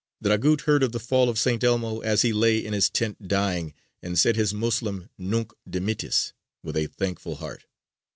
Dragut heard of the fall of St. Elmo as he lay in his tent dying, and said his Moslem Nunc Dimittis with a thankful heart.